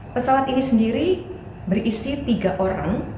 pesawat ini sendiri berisi tiga orang